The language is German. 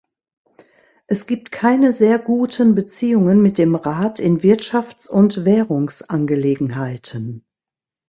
Es gibt keine sehr guten Beziehungen mit dem Rat in Wirtschafts- und Währungsangelegenheiten.